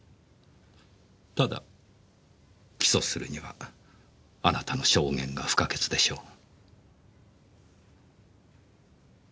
ただ起訴するにはあなたの証言が不可欠でしょう。